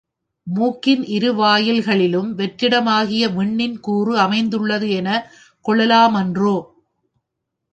மூக்கின் இரு வாயில் களிலும் வெற்றிடமாகிய விண்ணின் கூறுஅமைந்துள்ளது எனக் கொள்ளலாமன்றோ?